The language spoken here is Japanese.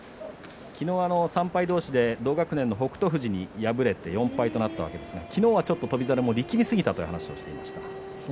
昨日３敗同士で同学年の北勝富士に敗れて４敗となったわけですが昨日は翔猿も力みすぎたという話をしていました。